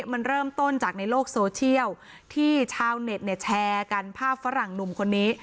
มันเริ่มต้นจากในโลกโซเชียลที่ชาวเน็ตเนี่ยแชร์กันภาพฝรั่งหนุ่มคนนี้